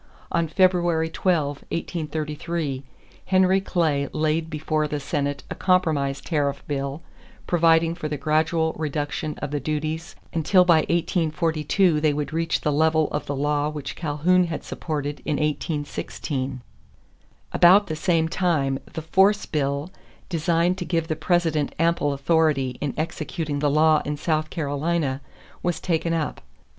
On February 12, 1833, Henry Clay laid before the Senate a compromise tariff bill providing for the gradual reduction of the duties until by 1842 they would reach the level of the law which Calhoun had supported in 1816. About the same time the "force bill," designed to give the President ample authority in executing the law in South Carolina, was taken up.